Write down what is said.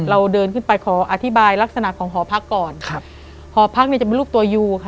เราเดินขึ้นไปขออธิบายลักษณะของหอพักก่อนครับหอพักเนี่ยจะเป็นลูกตัวยูค่ะ